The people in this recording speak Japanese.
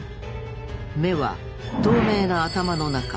目は透明な頭の中。